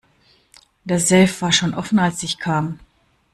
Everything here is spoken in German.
Der Safe war schon offen als ich kam.